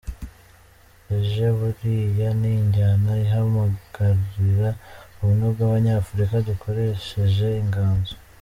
Reggae buriya ni injyana ihamagarira ubumwe bw’abanyafurika dukoresheje inganzo.